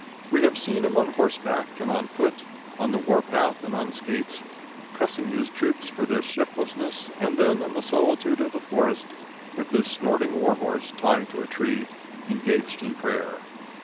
We have seen him on horseback and on foot, on the war path and on skates, cussing his troops for their shiftlessness, and then in the solitude of the forest, with his snorting war horse tied to a tree, engaged in prayer.